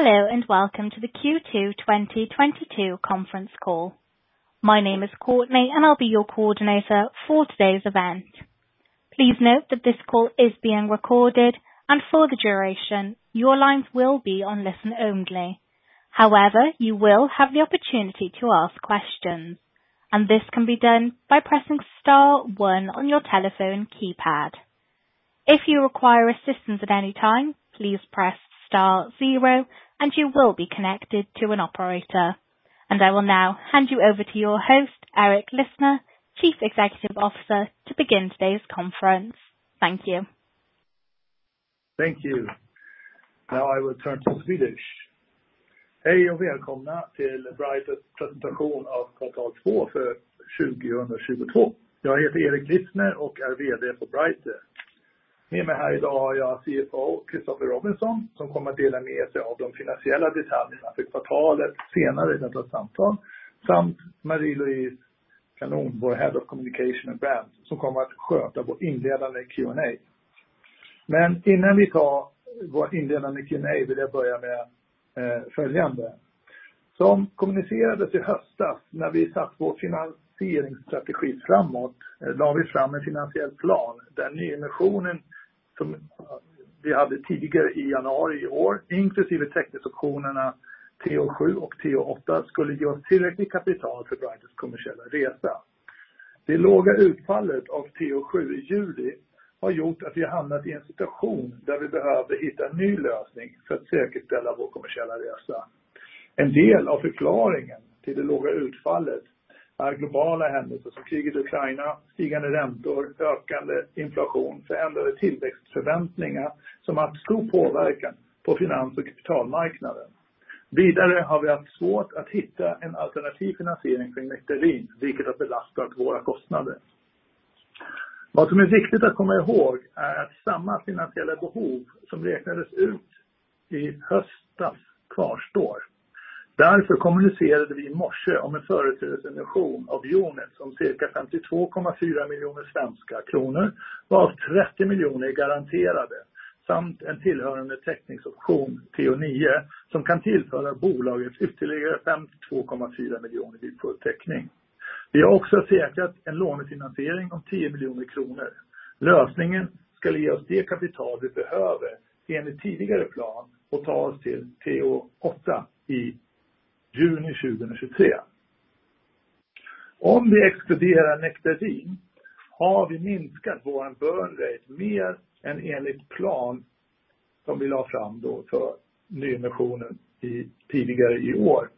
Hello and welcome to the Q2 2022 conference call. My name is Courtney and I'll be your coordinator for today's event. Please note that this call is being recorded and for the duration your lines will be on listen only. However, you will have the opportunity to ask questions and this can be done by pressing star one on your telephone keypad. If you require assistance at any time, please press star zero and you will be connected to an operator. I will now hand you over to your host, Erik Lissner, Chief Executive Officer, to begin today's conference. Thank you. Thank you. Now I will turn to Swedish. Hej och välkomna till Brighter's presentation av kvartal två för 2022. Jag heter Erik Lissner och är vd för Brighter. Med mig här i dag har jag CFO Christoffer Robinson som kommer att dela med sig av de finansiella detaljerna för kvartalet senare under vårt samtal samt Marie-Louise Kanon, vår Head of Communication and Brand, som kommer att sköta vår inledande Q&A. Men innan vi tar vår inledande Q&A vill jag börja med följande. Som kommunicerade till hösten när vi satt vår finansieringsstrategi framåt la vi fram en finansiell plan där nyemissionen som vi hade tidigare i januari i år, inklusive teckningsoptionerna TO7 och TO8, skulle ge oss tillräcklig kapital för Brighter's kommersiella resa. Det låga utfallet av TO7 i juli har gjort att vi hamnat i en situation där vi behövde hitta en ny lösning för att säkerställa vår kommersiella resa. En del av förklaringen till det låga utfallet är globala händelser som kriget i Ukraina, stigande räntor, ökande inflation, förändrade tillväxtförväntningar som haft stor påverkan på finans- och kapitalmarknaden. Vidare har vi haft svårt att hitta en alternativ finansiering för Nectarine, vilket har belastat våra kostnader. Vad som är viktigt att komma ihåg är att samma finansiella behov som räknades ut i höstas kvarstår. Därför kommunicerade vi i morse om en företrädesemission av aktier om cirka 52.4 miljoner kronor, varav 30 miljoner kronor är garanterade samt en tillhörande teckningsoption TO9 som kan tillföra bolaget ytterligare 52.4 miljoner vid full teckning. Vi har också säkrat en lånefinansiering om 10 miljoner kronor. Lösningen ska ge oss det kapital vi behöver enligt tidigare plan och ta oss till TO8 i juni 2023. Om vi exkluderar Nectarine har vi minskat vår burn rate mer än enligt plan som vi la fram då för nyemissionen i tidigare i år.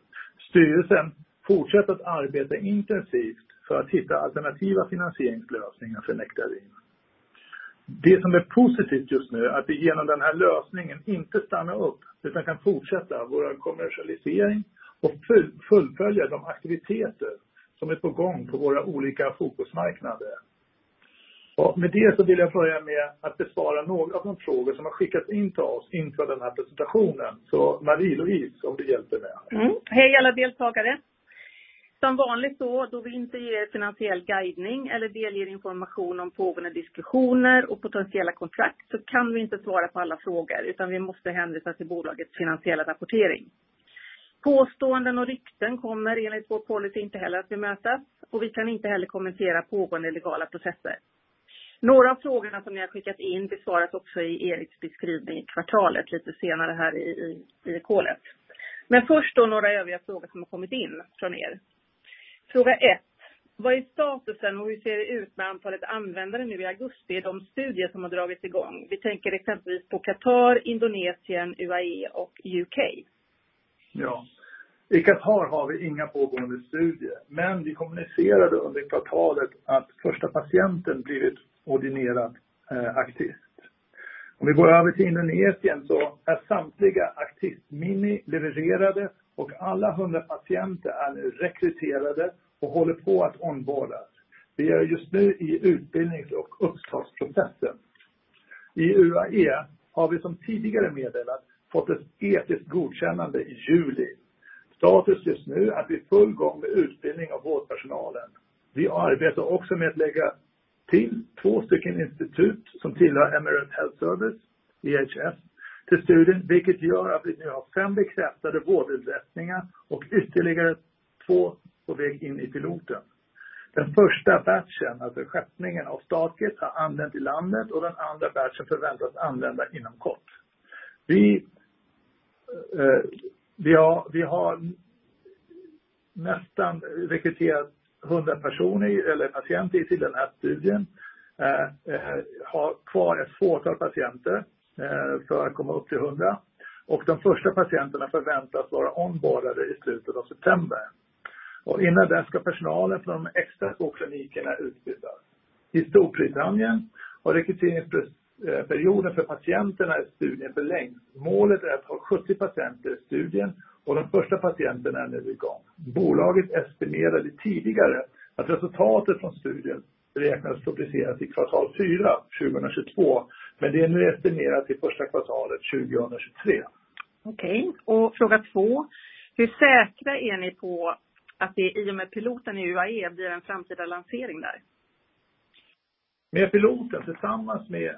Styrelsen fortsätter att arbeta intensivt för att hitta alternativa finansieringslösningar för Nectarine. Det som är positivt just nu är att vi genom den här lösningen inte stannar upp, utan kan fortsätta vår kommersialisering och fullfölja de aktiviteter som är på gång på våra olika fokusmarknader. Ja, med det så vill jag börja med att besvara några av de frågor som har skickats in till oss inför den här presentationen. Så Marie-Louise, om du hjälper mig. Hej alla deltagare. Som vanligt så vi inte ger er finansiell guidning eller delger information om pågående diskussioner och potentiella kontrakt så kan vi inte svara på alla frågor, utan vi måste hänvisa till bolagets finansiella rapportering. Påståenden och rykten kommer enligt vår policy inte heller att bemötas och vi kan inte heller kommentera pågående legala processer. Några av frågorna som ni har skickat in besvaras också i Eriks beskrivning i kvartalet lite senare här i callen. Först några övriga frågor som har kommit in från er. Fråga ett: Vad är statusen och hur ser det ut med antalet användare nu i augusti i de studier som har dragits i gång? Vi tänker exempelvis på Qatar, Indonesien, UAE och UK. Ja, i Qatar har vi inga pågående studier, men vi kommunicerade under kvartalet att första patienten blivit ordinerad Actiste. Om vi går över till Indonesien så är samtliga Actiste Mini levererade och alla 100 patienter är nu rekryterade och håller på att onboardas. Vi är just nu i utbildnings- och uppstartsprocessen. I UAE har vi som tidigare meddelat fått ett etiskt godkännande i juli. Status just nu är att vi är i full gång med utbildning av vårdpersonalen. Vi arbetar också med att lägga till 2 stycken institut som tillhör Emirates Health Services, EHS, till studien, vilket gör att vi nu har 5 bekräftade vårdinrättningar och ytterligare 2 på väg in i piloten. Fråga två: Hur säkra är ni på att det i och med piloten i UAE blir en framtida lansering där? Med piloten tillsammans med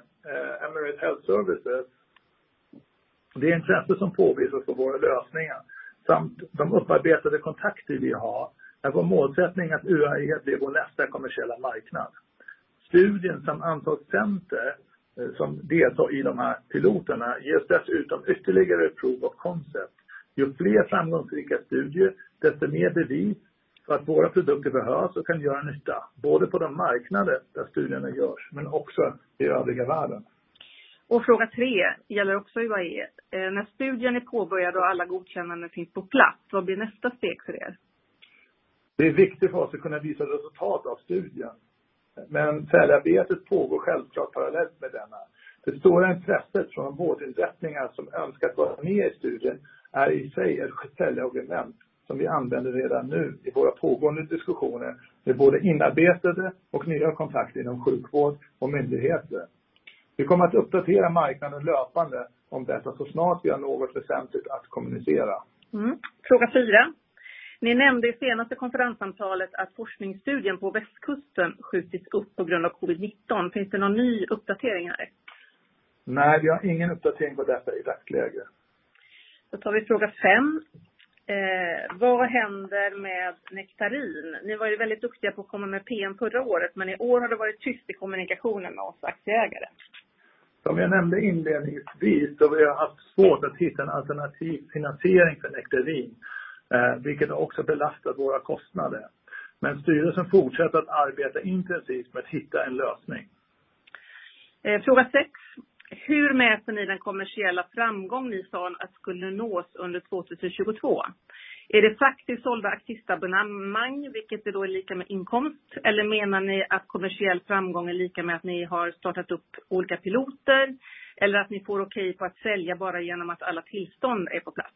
Emirates Health Services. Det intresse som påvisas för våra lösningar samt de upparbetade kontakter vi har är vår målsättning att UAE blir vår nästa kommersiella marknad. Studien samt antalet patienter som deltar i de här piloterna ger oss dessutom ytterligare proof of concept. Ju fler framgångsrika studier, desto mer bevis för att våra produkter behövs och kan göra nytta, både på de marknader där studierna görs, men också i övriga världen. Fråga tre gäller också UAE. När studien är påbörjad och alla godkännanden finns på plats, vad blir nästa steg för er? Det är viktigt för oss att kunna visa resultat av studien, men säljarbetet pågår självklart parallellt med denna. Det stora intresset från vårdinrättningar som önskar vara med i studien är i sig ett säljargument som vi använder redan nu i våra pågående diskussioner med både inarbetade och nya kontakter inom sjukvård och myndigheter. Vi kommer att uppdatera marknaden löpande om detta så snart vi har något väsentligt att kommunicera. Fråga fyra. Ni nämnde i senaste konferenssamtalet att forskningsstudien på Västkusten skjutits upp på grund av COVID-19. Finns det någon ny uppdatering här? Nej, vi har ingen uppdatering på detta i dagsläget. Tar vi fråga fem. Vad händer med Nectarine? Ni var ju väldigt duktiga på att komma med PM förra året, men i år har det varit tyst i kommunikationen med oss aktieägare. Som jag nämnde inledningsvis så vi har haft svårt att hitta en alternativ finansiering för Nectarine, vilket har också belastat våra kostnader. Styrelsen fortsätter att arbeta intensivt med att hitta en lösning. Fråga sex. Hur mäter ni den kommersiella framgång ni sa att skulle nås under 2022? Är det faktiskt sålda Actiste-abonnemang, vilket det då är lika med inkomst? Eller menar ni att kommersiell framgång är lika med att ni har startat upp olika piloter eller att ni får okej på att sälja bara genom att alla tillstånd är på plats?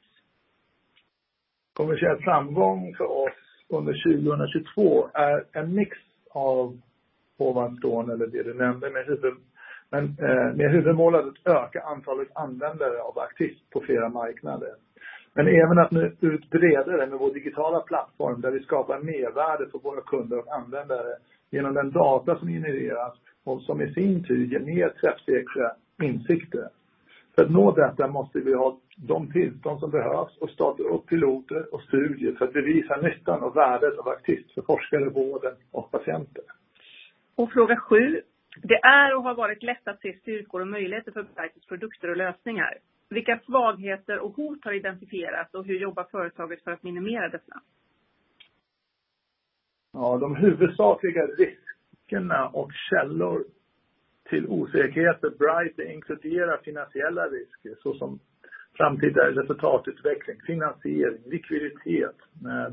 Kommersiell framgång för oss under 2022 är en mix av ovanstående eller det du nämnde med huvudmålet att öka antalet användare av Actiste på flera marknader. Även att vi utbreder den med vår digitala plattform där vi skapar mervärde för våra kunder och användare genom den data som genereras och som i sin tur ger mer träffsäkra insikter. För att nå detta måste vi ha de tillstånd som behövs och piloter och studier för att bevisa nyttan och värdet av Actiste för forskare, vården och patienter. Fråga 7. Det är och har varit lätt att se styrkor och möjligheter för produkt och lösningar. Vilka svagheter och hot har identifierats och hur jobbar företaget för att minimera dessa? De huvudsakliga riskerna och källor till osäkerheter Brighter inkluderar finansiella risker såsom framtida resultatutveckling, finansiering, likviditet,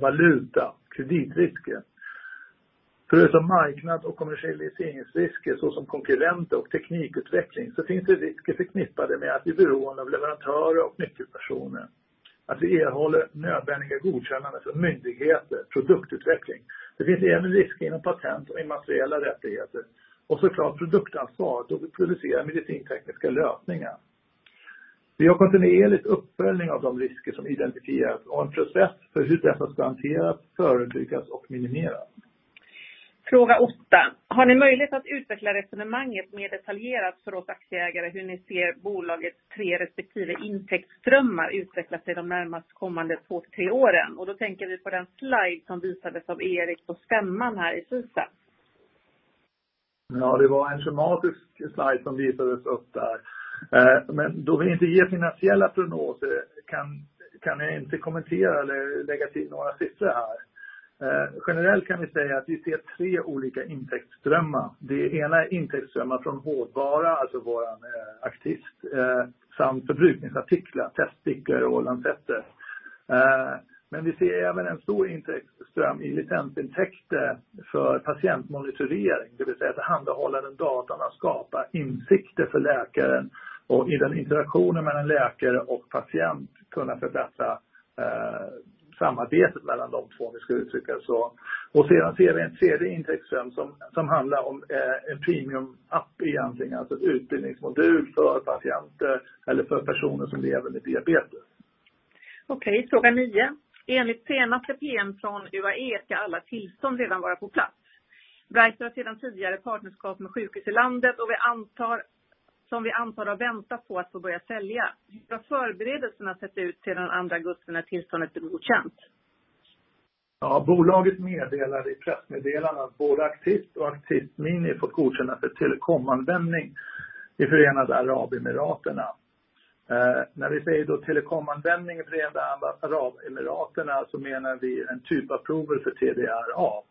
valuta, kreditrisker. Förutom marknad och kommersialiseringsrisker såsom konkurrenter och teknikutveckling så finns det risker förknippade med att vi är beroende av leverantörer och nyckelpersoner. Att vi erhåller nödvändiga godkännande från myndigheter, produktutveckling. Det finns även risker inom patent och immateriella rättigheter och så klart produktansvar då vi producerar medicintekniska lösningar. Vi har kontinuerligt uppföljning av de risker som identifieras och en process för hur detta ska hanteras, förebyggas och minimeras. Fråga 8. Har ni möjlighet att utveckla resonemanget mer detaljerat för oss aktieägare hur ni ser bolagets tre respektive intäktsströmmar utvecklas de närmast kommande 2, 3 åren? Då tänker vi på den slide som visades av Erik på scheman här i SUSA. Ja, det var en schematisk slide som visades upp där. Men då vi inte ger finansiella prognoser kan jag inte kommentera eller lägga till några siffror här. Generellt kan vi säga att vi ser tre olika intäktsströmmar. Det ena är intäktsströmmar från hårdvara, alltså våran Actiste, samt förbrukningsartiklar, teststickor och lansetter. Men vi ser även en stor intäktsström i licensintäkter för patientmonitorering, det vill säga att behandla alla den datan att skapa insikter för läkaren och i den interaktionen mellan läkare och patient kunna förbättra samarbetet mellan de två om vi ska uttrycka det så. Och sedan ser vi en tredje intäktsström som handlar om en premium app egentligen, alltså ett utbildningsmodul för patienter eller för personer som lever med diabetes. Okej, fråga 9. Enligt senaste PM från UAE ska alla tillstånd redan vara på plats. Brighter har sedan tidigare partnerskap med sjukhus i landet och vi antar har väntat på att få börja sälja. Hur har förberedelserna sett ut sedan andra gruppen med tillståndet blev godkänt? Ja, bolaget meddelade i pressmeddelande att både Actiste och Actiste Mini fått godkännande för telecomanvändning i Förenade Arabemiraten. När vi säger då telecomanvändning i Förenade Arabemiraten så menar vi en typ av prov för TDRA.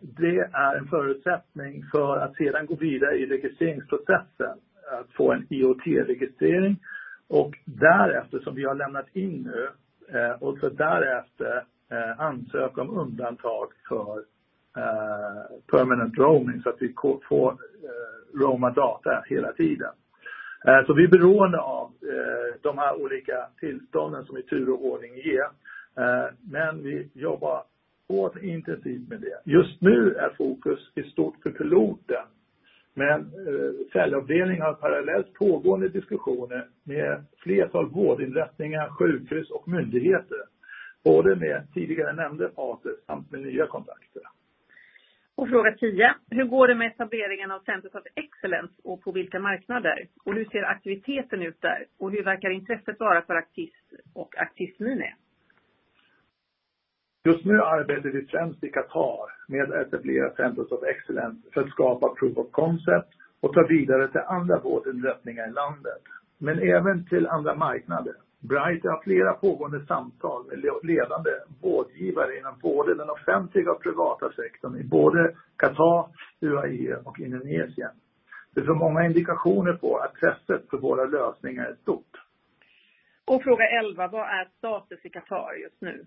Det är en förutsättning för att sedan gå vidare i registreringsprocessen att få en IoT-registrering och därefter som vi har lämnat in nu och därefter ansöka om undantag för permanent roaming så att vi får roama data hela tiden. Vi är beroende av de här olika tillstånden som i tur och ordning ger, men vi jobbar hårt intensivt med det. Just nu är fokus i stort för piloten, men säljavdelningen har parallellt pågående diskussioner med flertal vårdinrättningar, sjukhus och myndigheter. Både med tidigare nämnda partners samt med nya kontakter. Fråga 10. Hur går det med etableringen av Centers of Excellence och på vilka marknader? Hur ser aktiviteten ut där? Hur verkar intresset vara för Actiste och Actiste Mini? Just nu arbetar vi främst i Qatar med att etablera Centers of Excellence för att skapa proof of concept och ta vidare till andra vårdinrättningar i landet, men även till andra marknader. Brighter har flera pågående samtal med ledande vårdgivare inom både den offentliga och privata sektorn i både Qatar, UAE och Indonesia. Vi får många indikationer på att intresset för våra lösningar är stort. Fråga 11. Vad är status i Qatar just nu?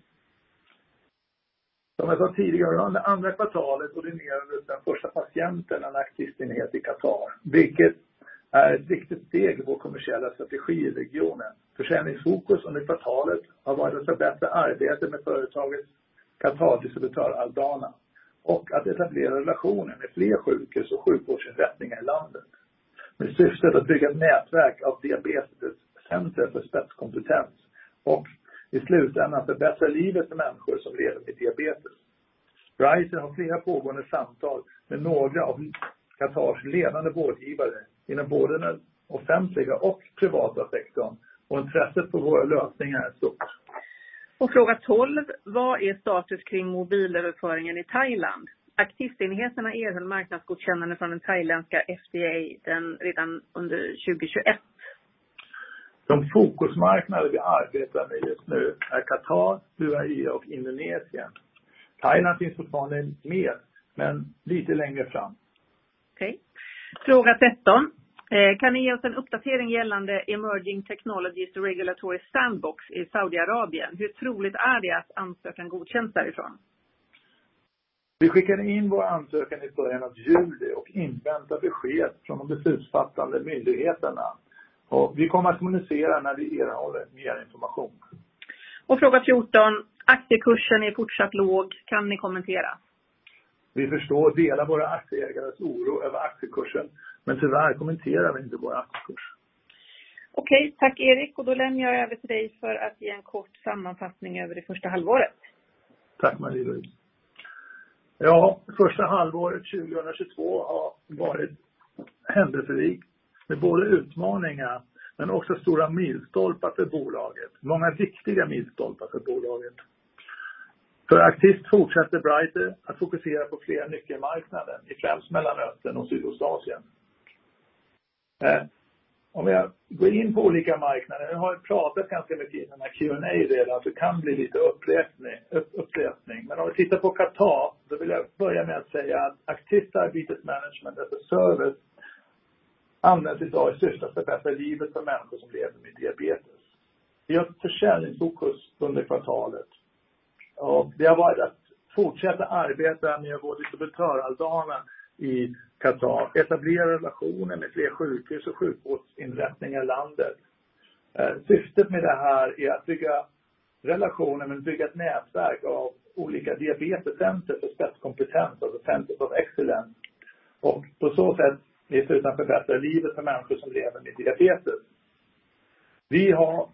Som jag sa tidigare under andra kvartalet ordinerades den första patienten en Actiste-enhet i Qatar, vilket är ett viktigt steg i vår kommersiella strategi i regionen. Försäljningsfokus under kvartalet har varit att förbättra arbetet med företagets Qatardistributör Al Dana och att etablera relationer med fler sjukhus och sjukvårdsinrättningar i landet. Med syftet att bygga ett nätverk av diabetescenter för spetskompetens och i slutändan förbättra livet för människor som lever med diabetes. Brighter har flera pågående samtal med några av Qatars ledande vårdgivare inom både den offentliga och privata sektorn och intresset för våra lösningar är stort. Fråga 12. Vad är status kring mobilöverföringen i Thailand? Actiste-enheterna erhöll marknadsgodkännande från den thailändska FDA redan under 2021. De fokusmarknader vi arbetar med just nu är Qatar, UAE och Indonesien. Thailand finns fortfarande med, men lite längre fram. Okej. Fråga 13. Kan ni ge oss en uppdatering gällande Emerging Technologies Regulatory Sandbox i Saudiarabien? Hur troligt är det att ansökan godkänns därifrån? Vi skickade in vår ansökan i början av juli och inväntar besked från de beslutsfattande myndigheterna. Vi kommer att kommunicera när vi erhåller mer information. Fråga fjorton. Aktiekursen är fortsatt låg. Kan ni kommentera? Vi förstår och delar våra aktieägares oro över aktiekursen, men tyvärr kommenterar vi inte vår aktiekurs. Okej, tack Erik och då lämnar jag över till dig för att ge en kort sammanfattning över det första halvåret. Tack Marie Berg. Ja, första halvåret 2022 har varit händelserikt med både utmaningar men också stora milstolpar för bolaget. Många viktiga milstolpar för bolaget. För Actiste fortsätter Brighter att fokusera på flera nyckelmarknader, främst Mellanöstern och Sydostasien. Om jag går in på olika marknader. Jag har pratat ganska mycket innan Q&A redan så det kan bli lite upprepning. Om vi tittar på Qatar, då vill jag börja med att säga att Actiste's Diabetes Management as a Service används i dag i syfte att förbättra livet för människor som lever med diabetes. Vi har ett försäljningsfokus under kvartalet och det har varit att fortsätta arbeta med vår distributör Al Dana i Qatar, etablera relationer med fler sjukhus och sjukvårdsinrättningar i landet. Syftet med det här är att bygga relationer, men bygga ett nätverk av olika diabetescenter för spetskompetens, alltså Centers of Excellence, och på så sätt i slutändan förbättra livet för människor som lever med diabetes. Vi har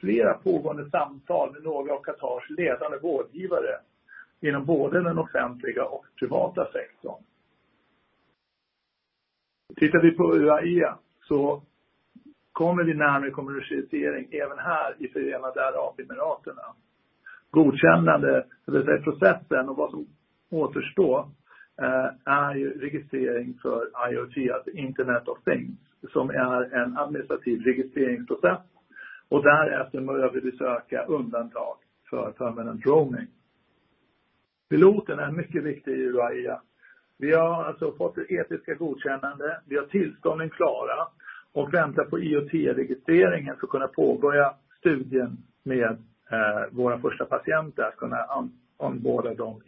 flera pågående samtal med några av Qatars ledande vårdgivare inom både den offentliga och privata sektorn. Tittar vi på UAE så kommer vi nära med kommersialisering även här i Förenade Arabemiraten. Godkännande, eller processen och vad som återstår är ju registrering för IoT, alltså Internet of Things, som är en administrativ registreringsprocess och därefter behöver vi söka undantag för termen roaming. Piloten är mycket viktig i UAE. Vi har alltså fått det etiska godkännandet, vi har tillstånden klara och väntar på IoT-registreringen för att kunna påbörja studien med våra första patienter, att kunna onboarda dem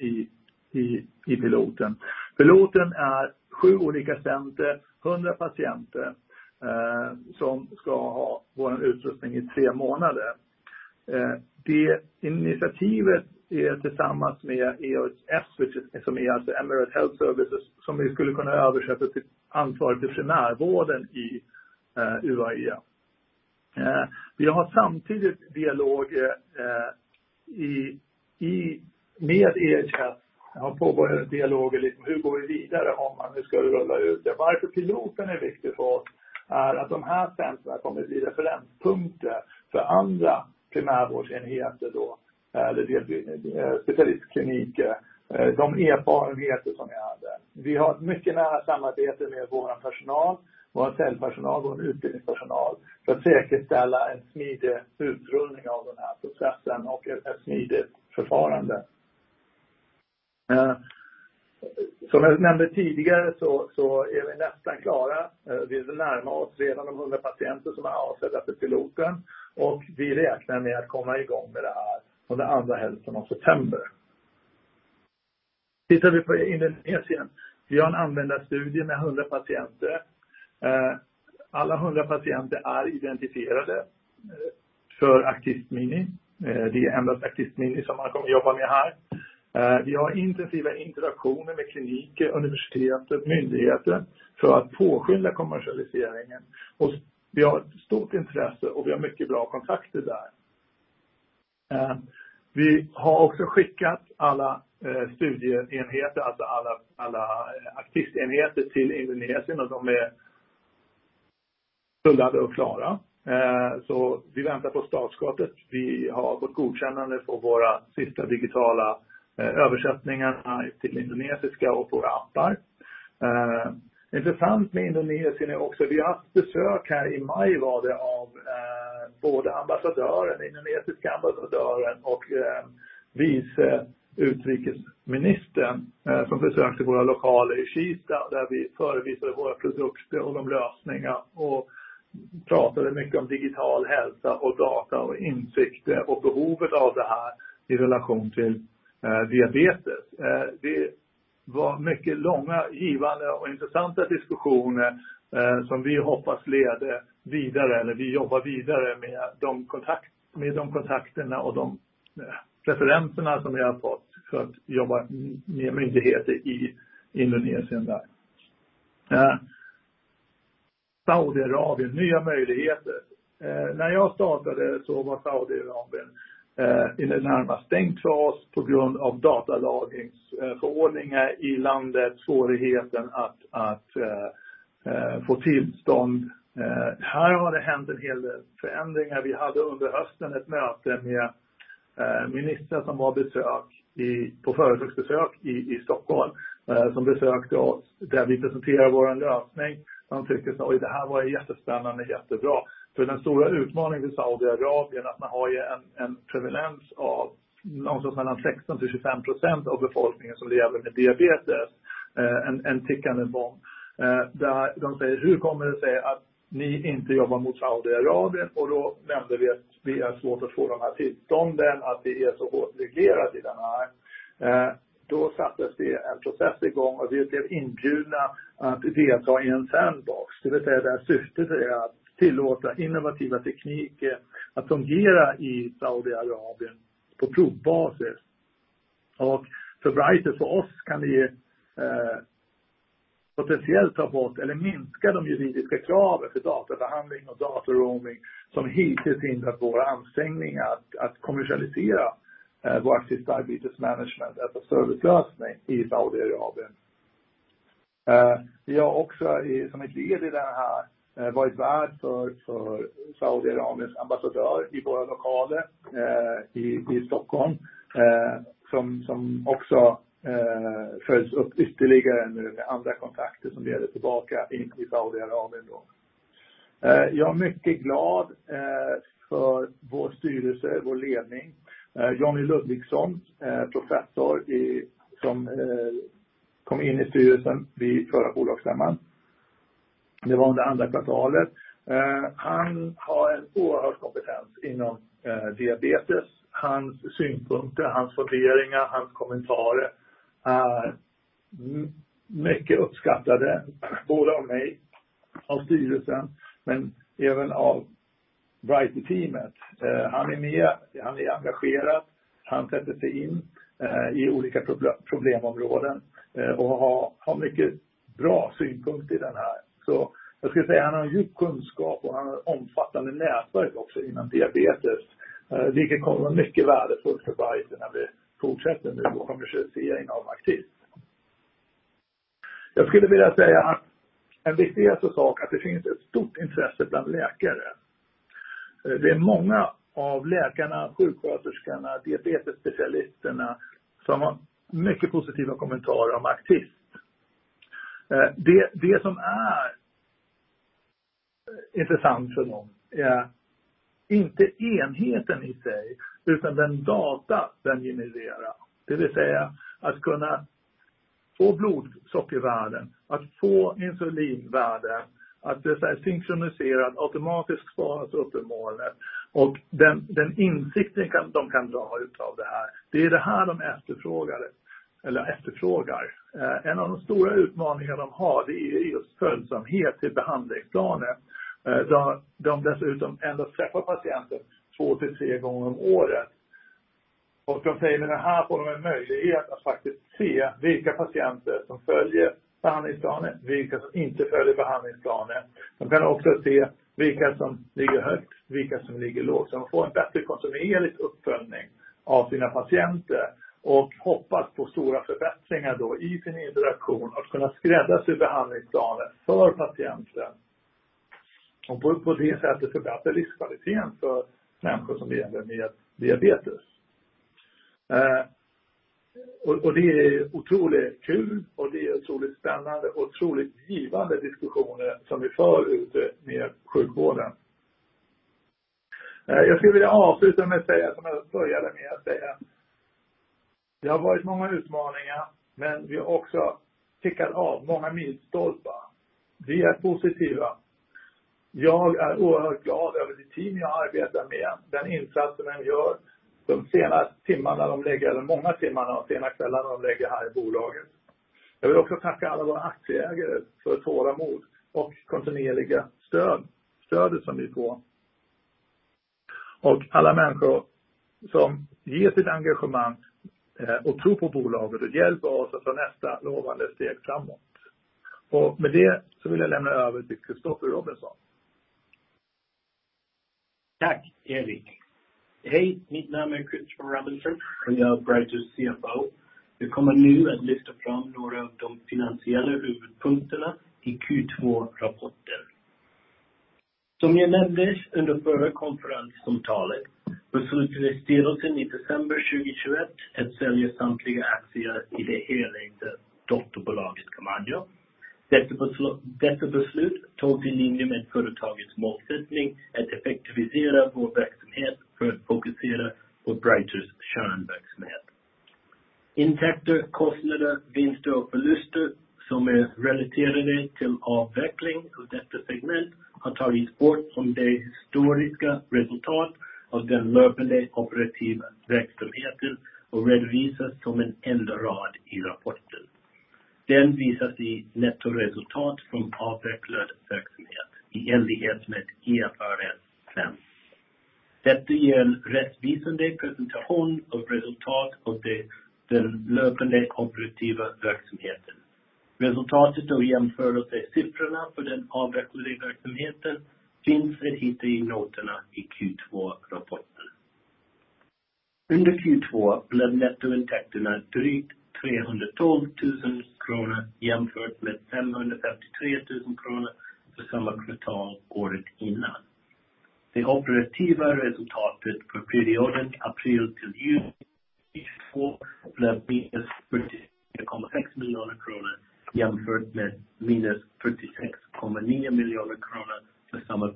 i piloten. Piloten är 7 olika center, 100 patienter, som ska ha vår utrustning i 3 månader. Det initiativet är tillsammans med EHS, vilket som är alltså Emirates Health Services, som vi skulle kunna översätta till ansvarig för primärvården i UAE. Vi har samtidigt dialog i med EHS på våra dialoger, liksom hur går vi vidare om man, hur ska vi rulla ut det. Varför piloten är viktig för oss är att de här centren kommer bli referenspunkter för andra primärvårdsenheter då, eller specialistkliniker, de erfarenheter som vi hade. Vi har ett mycket nära samarbete med vår personal, vår fältpersonal, vår utbildningspersonal för att säkerställa en smidig utrullning av den här processen och ett smidigt förfarande. Som jag nämnde tidigare så är vi nästan klara. Vi närmar oss redan de 100 patienter som är avsedda för piloten och vi räknar med att komma i gång med det här under andra hälften av september. Tittar vi på Indonesien. Vi har en användarstudie med 100 patienter. Alla 100 patienter är identifierade för Actiste Mini. Det är endast Actiste Mini som man kommer jobba med här. Vi har intensiva interaktioner med kliniker, universitet, myndigheter för att påskynda kommersialiseringen. Och vi har ett stort intresse och vi har mycket bra kontakter där. Vi har också skickat alla studieenheter, alltså alla Actiste-enheter till Indonesien och de är fulladdade och klara. Så vi väntar på startskottet. Vi har fått godkännande på våra sista digitala översättningar till indonesiska och våra appar. Intressant med Indonesien är också, vi har haft besök här i maj av både ambassadören, indonesiska ambassadören och vice utrikesministern som besökte våra lokaler i Kista där vi förevisade våra produkter och de lösningar och pratade mycket om digital hälsa och data och insikter och behovet av det här i relation till diabetes. Det var mycket långa, givande och intressanta diskussioner som vi hoppas leder vidare eller vi jobbar vidare med de kontakterna och de referenserna som vi har fått för att jobba med myndigheter i Indonesien där. Saudiarabien, nya möjligheter. När jag startade så var Saudiarabien i det närmaste stängt för oss på grund av datalagringsförordningar i landet, svårigheten att få tillstånd. Här har det hänt en hel del förändringar. Vi hade under hösten ett möte med ministern som var på företagsbesök i Stockholm, som besökte oss där vi presenterade vår lösning. Man tyckte, oj, det här var jättespännande, jättebra. För den stora utmaningen i Saudiarabien att man har ju en prevalens av någonstans mellan 16%-25% av befolkningen som lever med diabetes. En tickande bomb, där de säger: "Hur kommer det sig att ni inte jobbar mot Saudiarabien?" Då nämnde vi att vi har svårt att få de här tillstånden, att det är så hårt reglerat i den här. Då sattes det en process i gång och vi blev inbjudna att delta i en sandbox, det vill säga där syftet är att tillåta innovativa tekniker att fungera i Saudiarabien på provbasis. För Brighter, för oss kan det ju potentiellt ta bort eller minska de juridiska kraven för databehandling och data roaming som hittills hindrat våra ansträngningar att kommersialisera vår Actiste Diabetes Management och servicelösning i Saudiarabien. Vi har också, som ett led i det här, varit värd för Saudiarabiens ambassadör i våra lokaler i Stockholm, som också följs upp ytterligare nu med andra kontakter som leder tillbaka in till Saudiarabien. Jag är mycket glad för vår styrelse, vår ledning. Johnny Ludvigsson, professor i, som kom in i styrelsen vid förra bolagsstämman. Det var under andra kvartalet. Han har en oerhörd kompetens inom diabetes. Hans synpunkter, hans funderingar, hans kommentarer är mycket uppskattade, både av mig, av styrelsen, men även av Brighter-teamet. Han är med, han är engagerad, han sätter sig in i olika problem, problemområden, och har mycket bra synpunkter i den här. Jag skulle säga han har en djup kunskap och han har ett omfattande nätverk också inom diabetes, vilket kommer vara mycket värdefullt för Brighter när vi fortsätter nu och kommersialiserar inom Actiste. Jag skulle vilja säga att en viktig sak är att det finns ett stort intresse bland läkare. Det är många av läkarna, sjuksköterskorna, diabetesspecialisterna som har mycket positiva kommentarer om Actiste. Det som är intressant för dem är inte enheten i sig, utan den data den genererar. Det vill säga att kunna få blodsockervärden, att få insulinvärde, att det synkroniseras, automatiskt sparas upp i molnet och den insikten de kan dra ut av det här. Det är det här de efterfrågade eller efterfrågar. En av de stora utmaningarna de har, det är just följsamhet till behandlingsplaner, där de dessutom ändå träffar patienten 2-3 gånger om året. De säger med det här får de en möjlighet att faktiskt se vilka patienter som följer behandlingsplanen, vilka som inte följer behandlingsplanen. De kan också se vilka som ligger högt, vilka som ligger lågt. De får en bättre kontinuerlig uppföljning av sina patienter och hoppas på stora förbättringar då i sin interaktion att kunna skräddarsy behandlingsplanen för patienten. På det sättet förbättra livskvaliteten för människor som lever med diabetes. Det är otroligt kul och det är otroligt spännande och otroligt givande diskussioner som vi för ute med sjukvården. Jag skulle vilja avsluta med att säga som jag började med att säga. Det har varit många utmaningar, men vi har också tickat av många milstolpar. Vi är positiva. Jag är oerhört glad över det team jag arbetar med, den insatsen de gör, de sena timmarna de lägger, eller många timmar av sena kvällar de lägger här i bolaget. Jag vill också tacka alla våra aktieägare för tålamod och kontinuerliga stöd, stödet som vi får. Alla människor som ger sitt engagemang, och tror på bolaget och hjälper oss att ta nästa lovande steg framåt. Med det så vill jag lämna över till Christopher Robinson. Tack Erik. Hej, mitt namn är Christer Robertson och jag är Brighter's CFO. Vi kommer nu att lyfta fram några av de finansiella huvudpunkterna i Q2-rapporten. Som jag nämnde under förra konferenssamtalet beslutade styrelsen i december 2021 att sälja samtliga aktier i det helägda dotterbolaget Camanio. Detta beslut togs i linje med företagets målsättning att effektivisera vår verksamhet för att fokusera på Brighter's kärnverksamhet. Intäkter, kostnader, vinster och förluster som är relaterade till avveckling av detta segment har tagits bort från det historiska resultat av den löpande operativa verksamheten och redovisas som en enda rad i rapporten. Den visas i nettoresultat från avvecklad verksamhet i enlighet med IFRS 5. Detta ger en rättvisande presentation av resultat av den löpande operativa verksamheten. Resultatet och jämförelsesiffrorna för den avvecklade verksamheten finns att hitta i noterna i Q2-rapporten. Under Q2 blev nettointäkterna drygt 312 tusen kronor jämfört med 553 tusen kronor för samma kvartal året innan. Det operativa resultatet för perioden april till juni 2022 blev minus 45.6 miljoner kronor jämfört med minus 46.9 miljoner kronor för samma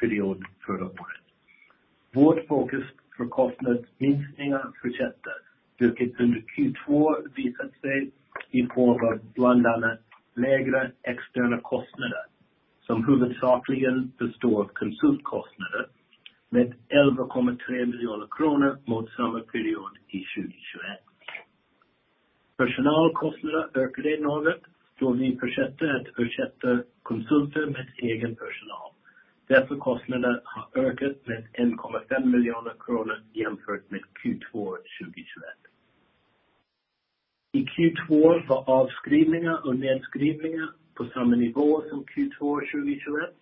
period förra året. Vårt fokus för kostnadsminskningar fortsätter, vilket under Q2 visat sig i form av bland annat lägre externa kostnader som huvudsakligen består av konsultkostnader med 11.3 miljoner kronor mot samma period i 2021. Personalkostnader ökade något då vi fortsätter att ersätta konsulter med egen personal. Dessa kostnader har ökat med 1.5 miljoner kronor jämfört med Q2 2021. I Q2 var avskrivningar och nedskrivningar på samma nivå som Q2 2021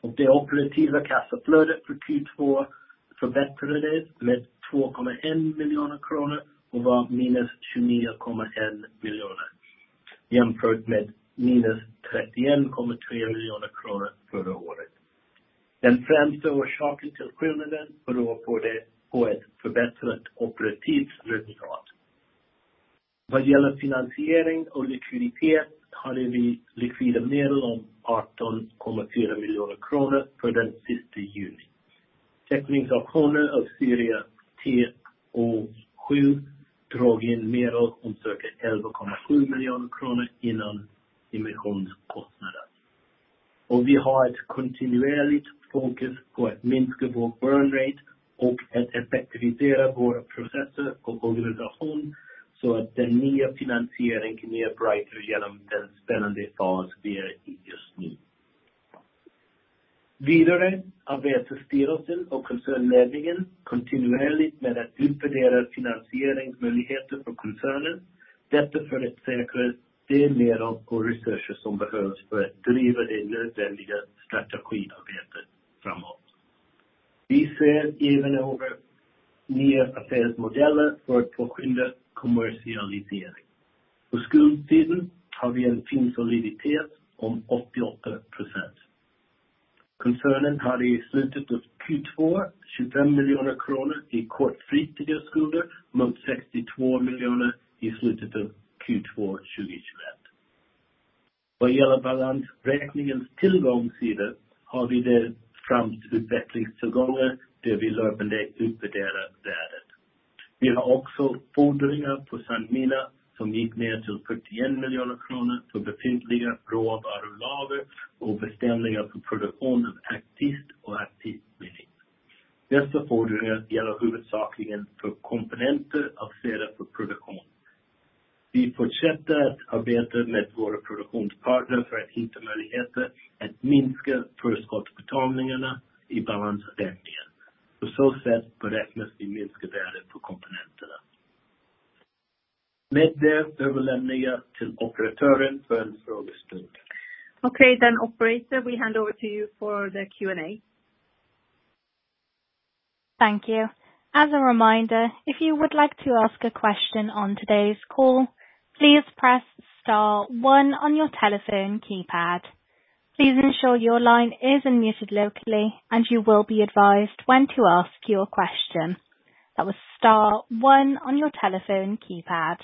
och det operativa kassaflödet för Q2 förbättrade med 2.1 miljoner kronor och var minus 29.1 miljoner kronor, jämfört med minus 31.3 miljoner kronor förra året. Den främsta orsaken till skillnaden beror på det, på ett förbättrat operativt resultat. Vad gäller finansiering och likviditet hade vi likvida medel om 18.4 miljoner kronor per den sista juni. Teckningsoptioner av serie TO-7 drog in medel om cirka 11.7 miljoner kronor innan emissionskostnader. Vi har ett kontinuerligt fokus på att minska vår burn rate och att effektivisera våra processer och organisation så att den nya finansieringen kan ge Brighter genom den spännande fas vi är i just nu. Vidare arbetar styrelsen och koncernledningen kontinuerligt med att utvärdera finansieringsmöjligheter för koncernen. Detta för att säkra de medel och resurser som behövs för att driva det nödvändiga strategiarbetet framåt. Vi ser även över nya affärsmodeller för att påskynda kommersialisering. På skuldsidan har vi en fin soliditet om 88%. Koncernen hade i slutet av Q2 25 miljoner kronor i kortfristiga skulder mot 62 miljoner i slutet av Q2 2021. Vad gäller balansräkningens tillgångssida har vi där främst utvecklingstillgångar där vi löpande utvärderar värdet. Vi har också fordringar på Sanmina som gick ner till 41 miljoner kronor för befintliga råvarulager och beställningar för produktion av Actiste och Actiste Mini. Dessa fordringar gäller huvudsakligen för komponenter avsedda för produktion. Vi fortsätter att arbeta med våra produktionspartner för att hitta möjligheter att minska förskottsbetalningarna i balansräkningen. På så sätt beräknas vi minska värdet på komponenterna. Med det överlämnar jag till operatören för en frågestund. Okay, operator, we hand over to you for the Q&A. Thank you. As a reminder, if you would like to ask a question on today's call, please press star one on your telephone keypad. Please ensure your line is unmuted locally and you will be advised when to ask your question. That was star one on your telephone keypad.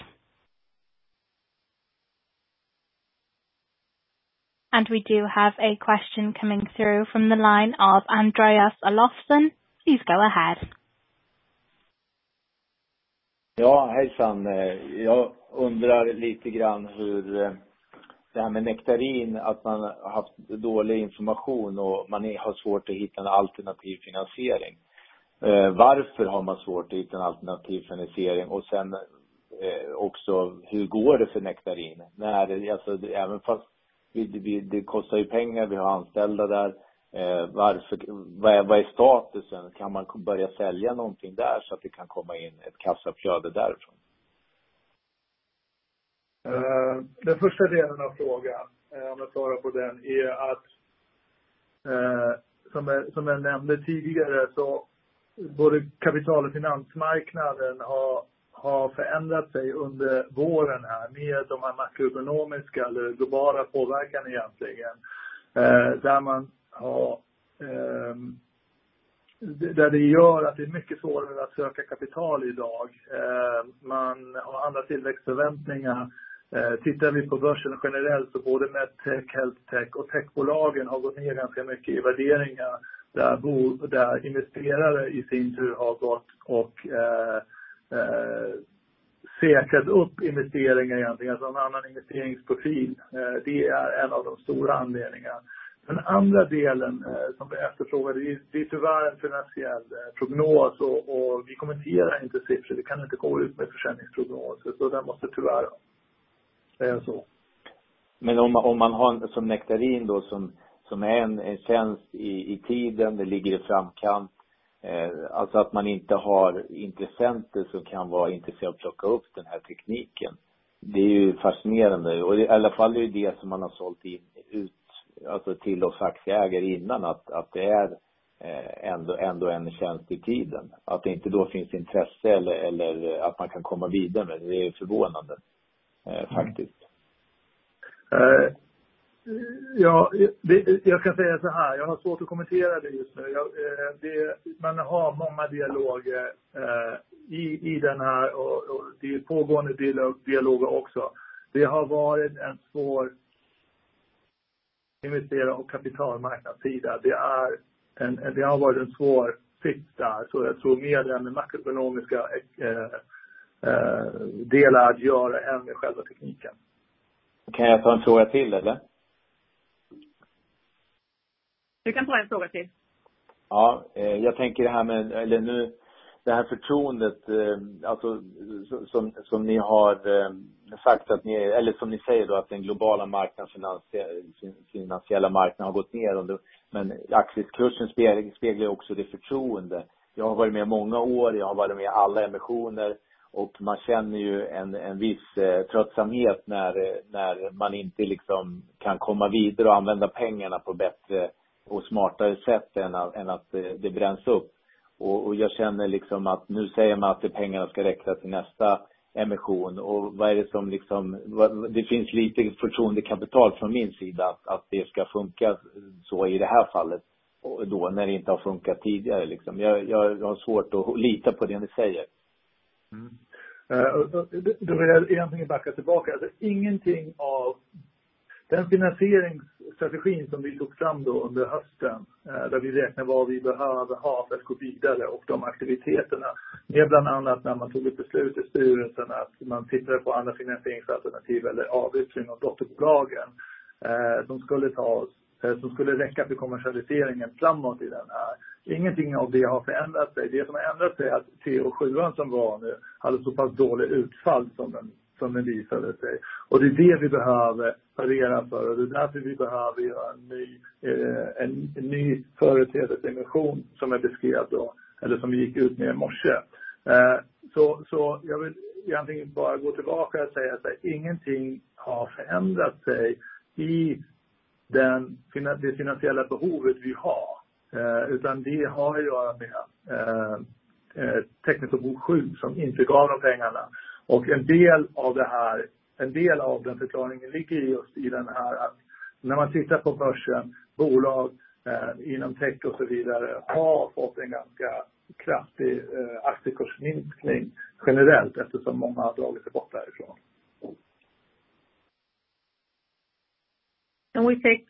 We do have a question coming through from the line of Andreas Olofsson. Please go ahead. Ja, hejsan. Jag undrar lite grann hur det här med Nectarine, att man har haft dålig information och man har svårt att hitta en alternativ finansiering? Varför har man svårt att hitta en alternativ finansiering? Sen också, hur går det för Nectarine? När är det, alltså även fast vi, det kostar ju pengar, vi har anställda där. Varför, vad är statusen? Kan man börja sälja någonting där så att det kan komma in ett kassaflöde därifrån? Den första delen av frågan, om jag svarar på den, är att som jag nämnde tidigare så både kapital- och finansmarknaden har förändrat sig under våren här med de här makroekonomiska eller globala påverkan egentligen. Där det gör att det är mycket svårare att söka kapital i dag. Man har andra tillväxtförväntningar. Tittar vi på börsen generellt så både med tech, healthtech och techbolagen har gått ner ganska mycket i värderingar. Där investerare i sin tur har gått och säkrat upp investeringar egentligen. Alltså en annan investeringsportfölj. Det är en av de stora anledningar. Den andra delen som efterfrågade, det är tyvärr en finansiell prognos och vi kommenterar inte siffror. Vi kan inte gå ut med försäljningsprognos. Den måste tyvärr. Det är så. Om man har som Nectarine då som är en tjänst i tiden, det ligger i framkant. Alltså att man inte har intressenter som kan vara intresserade att plocka upp den här tekniken. Det är ju fascinerande. I alla fall är det ju det som man har sålt in ut, alltså till oss aktieägare innan att det är ändå en tjänst i tiden. Att det inte då finns intresse eller att man kan komma vidare med det. Det är ju förvånande faktiskt. Ja, jag kan säga så här. Jag har svårt att kommentera det just nu. Man har många dialoger i den här. Det är pågående dialoger också. Det har varit en svår investerar- och kapitalmarknadssida. Det har varit en svår tid där tror jag. Mer med den makroekonomiska delar att göra än med själva tekniken. Kan jag ta en fråga till, eller? Du kan ta en fråga till. Ja, jag tänker det här med förtroendet. Alltså, eller som ni säger att den globala marknaden, finansiella marknaden har gått ner. Men aktiekursen speglar ju också det förtroende. Jag har varit med många år, jag har varit med i alla emissioner och man känner ju en viss tröttsamhet när man inte liksom kan komma vidare och använda pengarna på bättre och smartare sätt än att det bränns upp. Och jag känner liksom att nu säger man att pengarna ska räcka till nästa emission. Och vad är det som liksom. Det finns lite förtroendekapital från min sida att det ska funka så i det här fallet då när det inte har funkat tidigare liksom. Jag har svårt att lita på det ni säger. Vill jag egentligen backa tillbaka. Alltså ingenting av den finansieringsstrategin som vi tog fram då under hösten, där vi räknar vad vi behöver ha för att gå vidare och de aktiviteterna. Det är bland annat när man tog ett beslut i styrelsen att man tittade på andra finansieringsalternativ eller avyttring av dotterbolagen. Som skulle räcka till kommersialiseringen framåt i den här. Ingenting av det har förändrat sig. Det som har ändrat sig är att TO7:an som var nu hade så pass dålig utfall som den, som den visade sig. Det är det vi behöver värdera för. Det är därför vi behöver göra en ny företrädesemission som jag beskrev då eller som vi gick ut med i morse. Jag vill egentligen bara gå tillbaka och säga att ingenting har förändrat sig i det finansiella behovet vi har, utan det har att göra med tekniska bokslut som inte gav de pengarna. En del av den förklaringen ligger just i det här att när man tittar på börsen, bolag inom tech och så vidare har fått en ganska kraftig aktiekursminskning generellt eftersom många har dragit sig bort därifrån. Can we take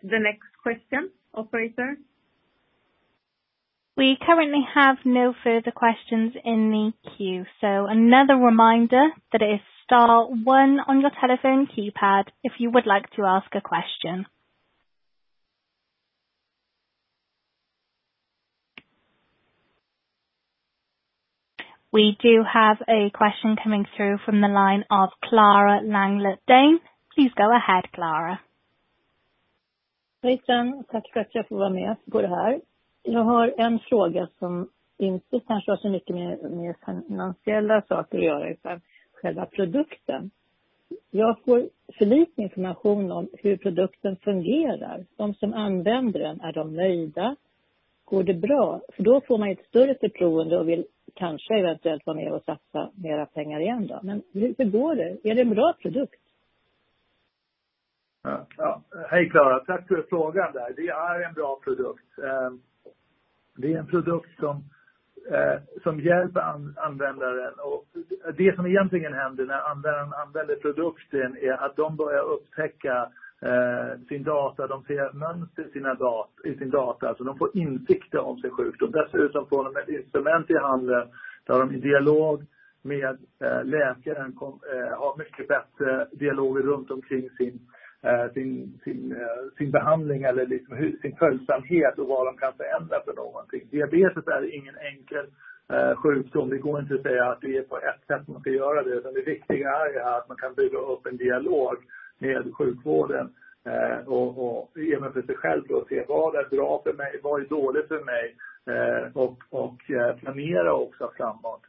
the next question, operator? We currently have no further questions in the queue. Another reminder that it is star one on your telephone keypad if you would like to ask a question. We do have a question coming through from the line of Clara Langlet Dané. Please go ahead, Clara. Hej sen. Tack, tack att jag får vara med på det här. Jag har en fråga som inte kanske har så mycket med finansiella saker att göra utan själva produkten. Jag får för lite information om hur produkten fungerar. De som använder den, är de nöjda? Går det bra? För då får man ju ett större förtroende och vill kanske eventuellt vara med och satsa mera pengar igen då. Men hur går det? Är det en bra produkt? Ja, hej Clara. Tack för frågan där. Det är en bra produkt. Det är en produkt som hjälper användaren. Det som egentligen händer när användaren använder produkten är att de börjar upptäcka sin data. De ser mönster i sin data, så de får insikt av sin sjukdom. Dessutom får de ett instrument i handen där de i dialog med läkaren har mycket bättre dialoger runt omkring sin behandling eller sin följsamhet och vad de kan förändra för någonting. Diabetes är ingen enkel sjukdom. Det går inte att säga att det är på ett sätt man ska göra det. Det viktiga är att man kan bygga upp en dialog med sjukvården och även för sig själv se vad är bra för mig, vad är dåligt för mig? Planera också framåt.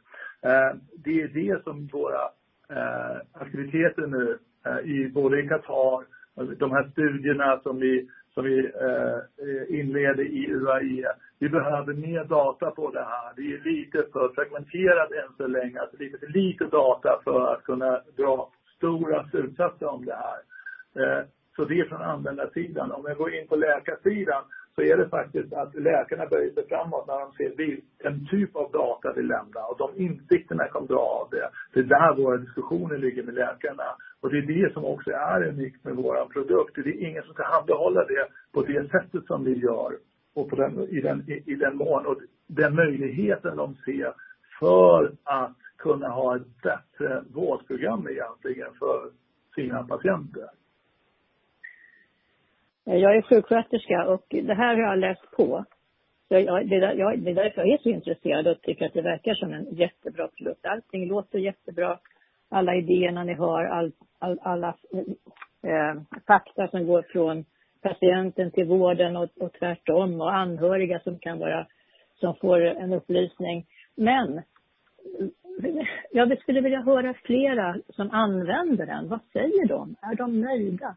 Det är det som våra aktiviteter nu i både Qatar, de här studierna som vi inleder i UAE. Vi behöver mer data på det här. Det är lite för fragmenterat än så länge, alltså det är lite för lite data för att kunna dra stora slutsatser om det här. Det är från användarsidan. Om vi går in på läkarsidan så är det faktiskt att läkarna böjer sig framåt när de ser den typ av data vi lämnar och de insikterna kan dra av det. Det är där våra diskussioner ligger med läkarna och det är det som också är unikt med vår produkt. Det är ingen som kan handhålla det på det sättet som vi gör och i den mån och den möjligheten de ser för att kunna ha ett bättre vårdprogram egentligen för sina patienter. Jag är sjuksköterska och det här har jag läst på. Jag är så intresserad och tycker att det verkar som en jättebra produkt. Allting låter jättebra. Alla idéerna ni har, alla fakta som går från patienten till vården och tvärtom och anhöriga som kan vara, som får en upplysning. Jag skulle vilja höra flera som använder den. Vad säger de? Är de nöjda?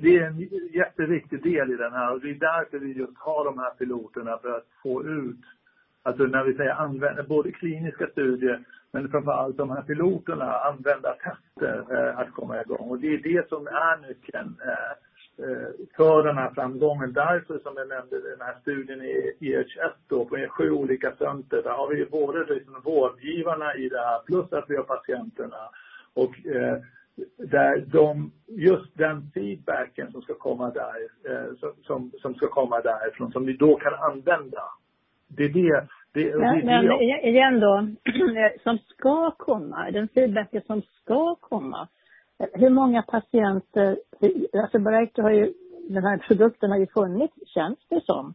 Det är en jätteviktig del i det här och det är därför vi just har de här piloterna för att få ut. Alltså när vi säger användare, både kliniska studier men framför allt de här piloterna, användartester, att komma i gång. Det är det som är nyckeln för den här framgången. Därför som jag nämnde den här studien i EHS på 7 olika center. Där har vi både liksom vårdgivarna i det här plus att vi har patienterna och, där de just den feedbacken som ska komma där ifrån som vi då kan använda. Det är det. Igen då som ska komma, den feedbacken som ska komma. Hur många patienter? Alltså Viqte har ju, den här produkten har ju funnits känns det som,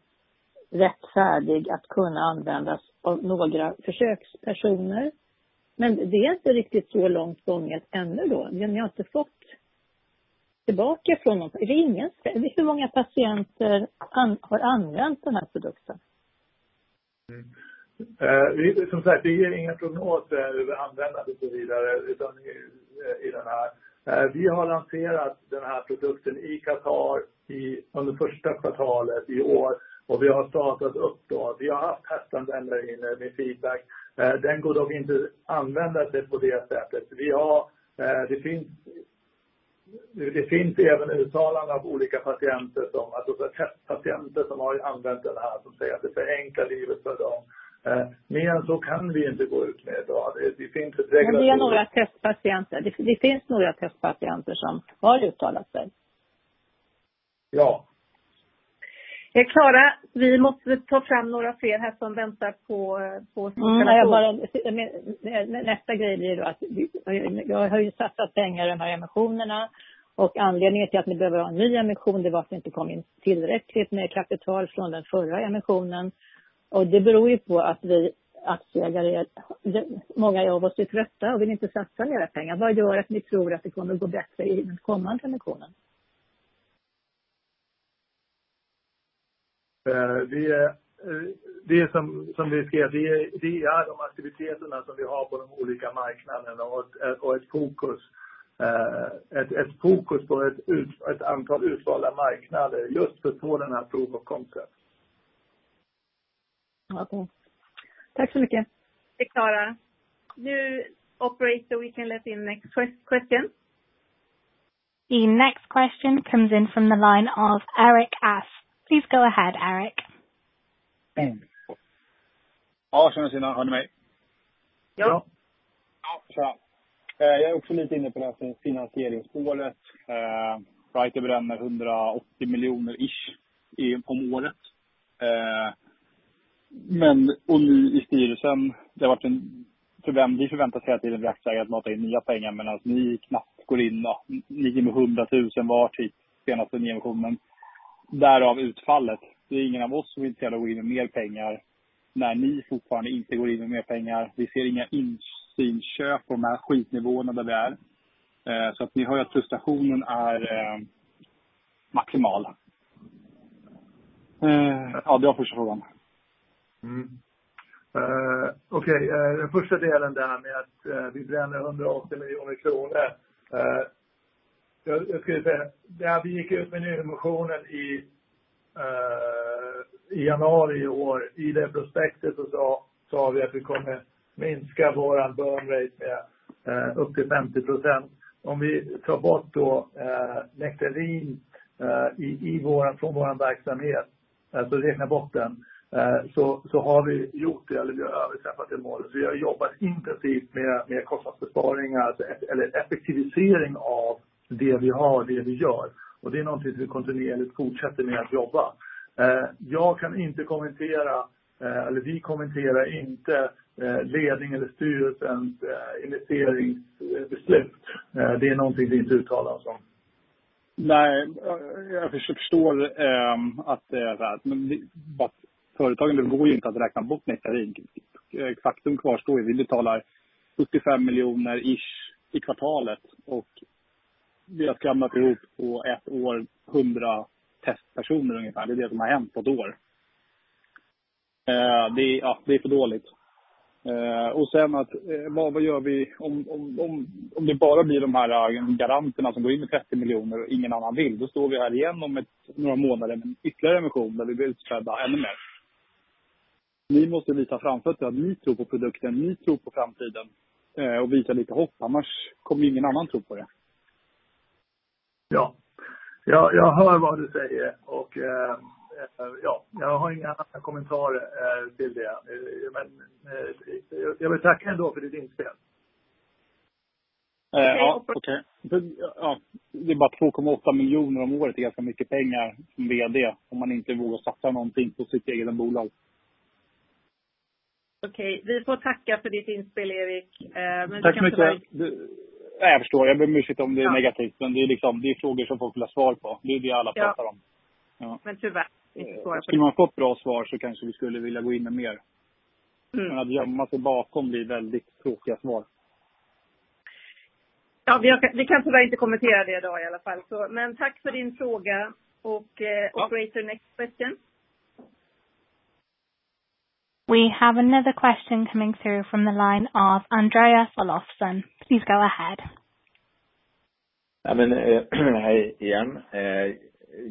rätt färdig att kunna användas av några försökspersoner. Det är inte riktigt så långt gånget ännu då. Ni har inte fått tillbaka från något. Det är ingen. Vet du hur många patienter som har använt den här produkten? Som sagt, vi ger inga prognoser över användandet så vidare utan i den här. Vi har lanserat den här produkten i Qatar under första kvartalet i år och vi har startat upp då. Vi har haft testanvändare inne med feedback. Den går dock inte använda på det sättet. Det finns även uttalanden av olika patienter, alltså testpatienter som har använt den här som säger att det förenklar livet för dem. Mer än så kan vi inte gå ut med idag. Det finns inte. Det är några testpatienter. Det finns några testpatienter som har uttalat sig. Ja. Clara, vi måste ta fram några fler här som väntar på. Nästa grej blir då att ni har ju satsat pengar i de här emissionerna och anledningen till att ni behöver ha en ny emission, det var att det inte kom in tillräckligt med kapital från den förra emissionen. Det beror ju på att vi aktieägare, många av oss är trötta och vill inte satsa några pengar. Vad gör att ni tror att det kommer gå bättre i den kommande emissionen? Det som vi ser är de aktiviteterna som vi har på de olika marknaderna och ett fokus på ett antal utvalda marknader just för denna proof of concept. Okej. Tack så mycket. Det är Clara. Now, operator, we can let in next question. The next question comes in from the line of Erik Asp. Please go ahead, Erik. Ja, tjena. Hör ni mig? Ja. Ja, tjena. Jag är också lite inne på det här finansieringshålet. Brighter bränner 180 miljoner ish om året. Men och ni i styrelsen, vi förväntar oss hela tiden att aktieägare matar in nya pengar men att ni knappt går in och ligger med SEK 100 tusen var i senaste emissionen. Därav utfallet. Det är ingen av oss som vill gå in med mer pengar när ni fortfarande inte går in med mer pengar. Vi ser inga insynsköp på de här skitnivåerna där vi är. Ni hör att frustrationen är maximal. Ja, det var första frågan. Okej, den första delen där med att vi bränner 180 miljoner kronor. Jag skulle säga, när vi gick ut med nyemissionen i januari i år i det prospektet så sa vi att vi kommer minska vår burn rate med upp till 50%. Om vi tar bort då Nectarine i vår från vår verksamhet så har vi gjort det eller vi har överträffat det målet. Vi har jobbat intensivt med kostnadsbesparingar eller effektivisering av det vi har och det vi gör. Det är någonting vi kontinuerligt fortsätter med att jobba. Jag kan inte kommentera eller vi kommenterar inte ledning eller styrelsens investeringsbeslut. Det är någonting vi inte uttalar oss om. Nej, jag förstår att det är såhär. Företagen, det går ju inte att räkna bort Nectarine. Faktum kvarstår. Vi betalar upp till 5 million ish i kvartalet och vi har skramlat ihop på ett år 100 testpersoner ungefär. Det är det som har hänt på ett år. Det är för dåligt. Sen att vad gör vi om det bara blir de här garanterna som går in med 30 million och ingen annan vill? Då står vi här igen om några månader med en ytterligare emission där vi blir utskällda ännu mer. Ni måste visa framfötterna att ni tror på produkten, ni tror på framtiden och visa lite hopp. Annars kommer ingen annan tro på det. Ja, jag hör vad du säger och ja, jag har inga andra kommentarer till det. Jag vill tacka ändå för ditt inspel. Okej. Det är bara 2.8 miljoner om året, är ganska mycket pengar som VD om man inte vågar satsa någonting på sitt eget bolag. Okej, vi får tacka för ditt inspel, Erik. Tack så mycket. Jag förstår, jag ber om ursäkt om det är negativt, men det är frågor som folk vill ha svar på. Det är det alla pratar om. Tyvärr. Skulle man fått bra svar så kanske vi skulle vilja gå in med mer. Att gömma sig bakom blir väldigt tråkiga svar. Ja, vi kan tyvärr inte kommentera det i dag i alla fall. Tack för din fråga och operator, next question. We have another question coming through from the line of Andreas Olofsson. Please go ahead. Nej men hej igen.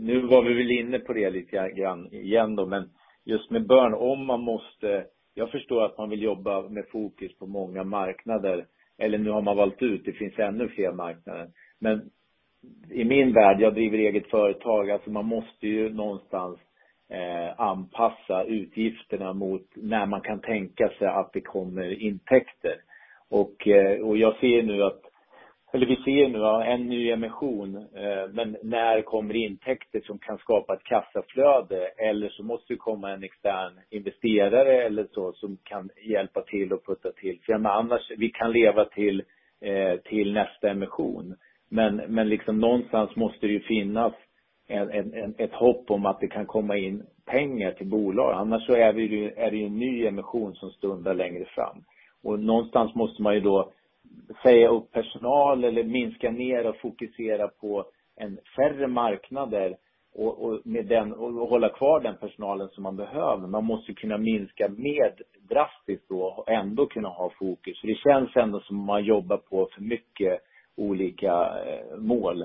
Nu var vi väl inne på det lite grann igen då, men just med burn. Jag förstår att man vill jobba med fokus på många marknader. Man har valt ut, det finns ännu fler marknader. I min värld, jag driver eget företag, man måste ju någonstans anpassa utgifterna mot när man kan tänka sig att det kommer intäkter. Jag ser nu att, vi ser nu en ny emission, men när kommer intäkter som kan skapa ett kassaflöde? Det måste komma en extern investerare eller så som kan hjälpa till och putta till. Vi kan leva till nästa emission. Liksom någonstans måste det ju finnas ett hopp om att det kan komma in pengar till bolag. Det är ju en ny emission som stundar längre fram. Någonstans måste man ju då säga upp personal eller minska ner och fokusera på en färre marknader och med den, och hålla kvar den personalen som man behöver. Man måste kunna minska ned drastiskt då och ändå kunna ha fokus. Det känns ändå som man jobbar på för mycket olika mål.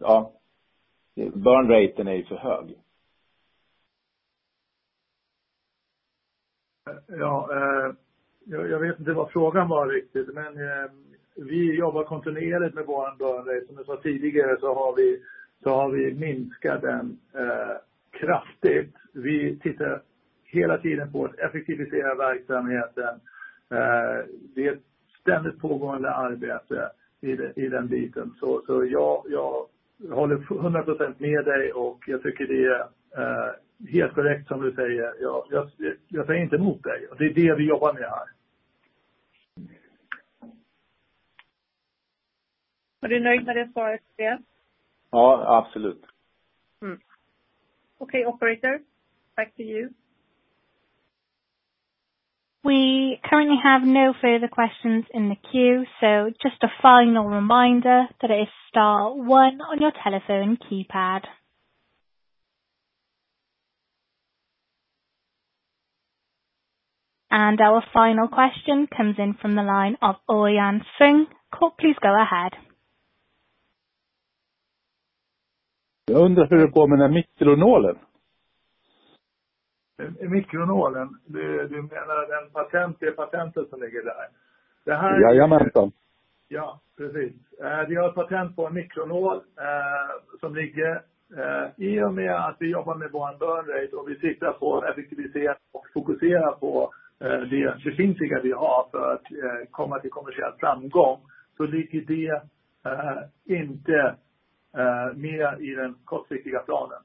Ja, burn rate är ju för hög. Ja, jag vet inte vad frågan var riktigt, men vi jobbar kontinuerligt med vår burn rate. Som jag sa tidigare så har vi minskat den kraftigt. Vi tittar hela tiden på att effektivisera verksamheten. Det är ett ständigt pågående arbete i den biten. Ja, jag håller 100% med dig och jag tycker det är helt korrekt som du säger. Jag säger inte emot dig. Det är det vi jobbar med här. Var du nöjd med det svaret? Ja, absolut. Okay, operator. Back to you. We currently have no further questions in the queue. Just a final reminder that it is star one on your telephone keypad. Our final question comes in from the line of Örjan Svenn. Please go ahead. Jag undrar hur det går med den här mikronålen. Mikronålen? Du menar det patentet som ligger där? Jajamänsan. Ja, precis. Vi har ett patent på en mikronål som ligger. I och med att vi jobbar med vår burn rate och vi tittar på effektivitet och fokuserar på det befintliga vi har för att komma till kommersiell framgång, så ligger det inte med i den kortsiktiga planen.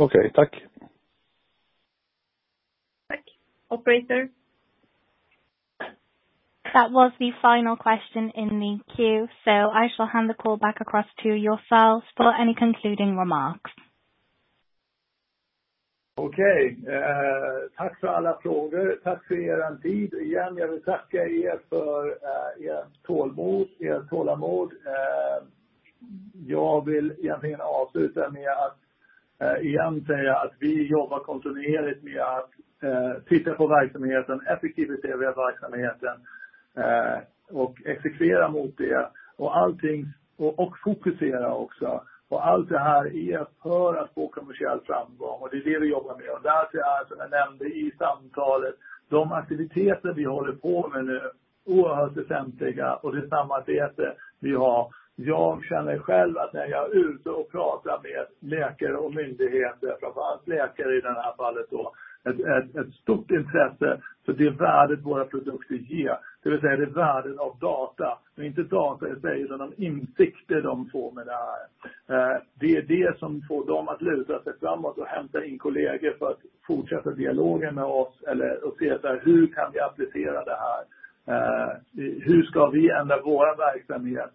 Okej, tack. Tack. Operator. That was the final question in the queue, so I shall hand the call back across to yourselves for any concluding remarks. Okej, tack för alla frågor. Tack för er tid. Igen, jag vill tacka er för ert tålamod. Jag vill egentligen avsluta med att igen säga att vi jobbar kontinuerligt med att titta på verksamheten, effektivisera verksamheten och exekvera mot det och allting. Fokusera också. Allt det här är för att få kommersiell framgång och det är det vi jobbar med. Därtill, som jag nämnde i samtalet, de aktiviteter vi håller på med nu, oerhört väsentliga och det samarbete vi har. Jag känner själv att när jag är ute och pratar med läkare och myndigheter, framför allt läkare i det här fallet då, ett stort intresse för det värde våra produkter ger. Det vill säga det värde av data, inte data i sig utan de insikter de får med det här. Det är det som får dem att luta sig framåt och hämta in kollegor för att fortsätta dialogen med oss eller se hur kan vi applicera det här? Hur ska vi ändra vår verksamhet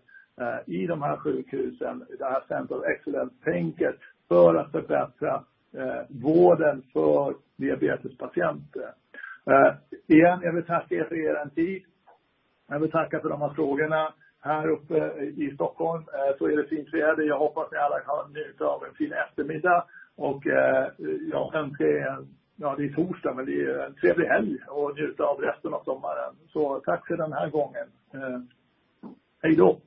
i de här sjukhusen? Det här Centers of Excellence-tänket för att förbättra vården för diabetespatienter. Igen, jag vill tacka er för er tid. Jag vill tacka för de här frågorna. Här uppe i Stockholm så är det fint väder. Jag hoppas ni alla kan njuta av en fin eftermiddag och jag önskar er, ja det är torsdag, men det är en trevlig helg och njuta av resten av sommaren. Så tack för den här gången. Hejdå!